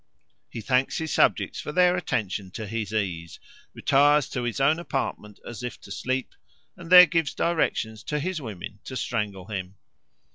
He thanks his subjects for their attention to his ease, retires to his own apartment as if to sleep, and there gives directions to his women to strangle him.